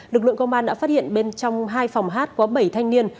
lực lượng công an đã phát hiện bên trong hai phòng hát có bảy thanh niên